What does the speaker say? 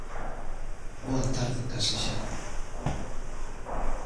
Boa tarde case xa.